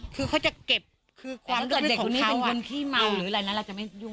คือเขาจะเก็บความรู้สึกของเขา